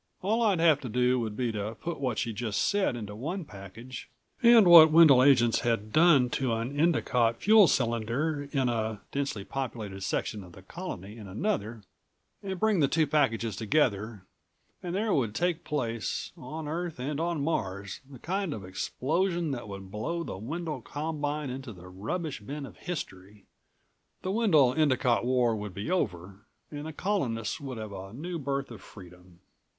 All I'd have to do would be to put what she'd just said into one package and what Wendel agents had done to an Endicott fuel cylinder in a densely populated section of the Colony in another and bring the two packages together and there would take place, on Earth and on Mars, the kind of explosion that would blow the Wendel Combine into the rubbish bin of history. The Wendel Endicott war would be over, and the Colonists would have a new birth of freedom.